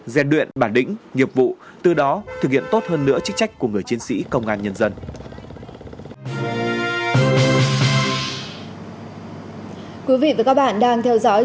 gieo đuyện bản đỉnh nghiệp vụ từ đó thực hiện tốt hơn nữa trích trách của người chiến sĩ công an nhân dân